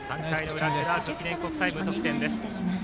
クラーク記念国際無得点です。